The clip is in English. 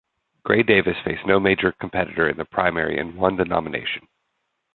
Gray Davis faced no major competitor in the primary and won the nomination.